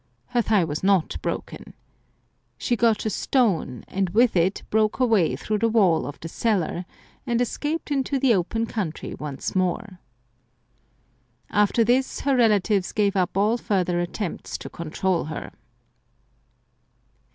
Her thigh was not broken. She got a stone, and with it broke a way through the wall of the cellar, and escaped into the open country once more. After this her relatives gave up all further at tempts to control her.